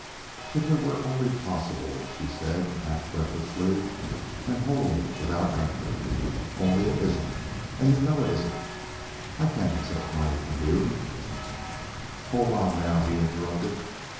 "If it were only possible" she said, half breathlessly, and wholly without anger. "Only it isn't, and you know it isn't. I can't accept money from you " "Hold on, now," he interrupted.